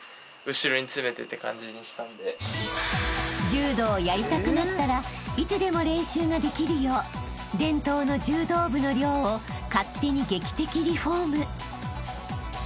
［柔道をやりたくなったらいつでも練習ができるよう伝統の柔道部の寮を勝手に劇的リフォーム］